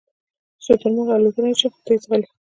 شترمرغ الوتلی نشي خو تېز ځغلي